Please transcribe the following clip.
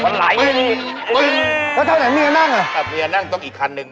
มันไหลแล้วทางไหนเมียนั่งอ่ะเมียนั่งต้องอีกคันนึง